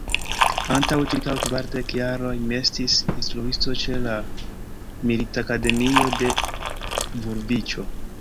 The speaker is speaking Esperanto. Antaŭ ĉirkaŭ kvardek jaroj mi estis instruisto ĉe la militakademio de Vulviĉo.